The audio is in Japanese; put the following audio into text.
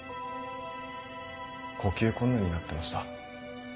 呼吸困難になってました。